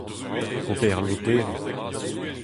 Ober lodennoù.